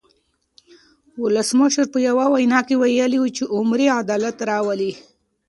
ولسمشر په یوه وینا کې ویلي وو چې عمري عدالت راولي.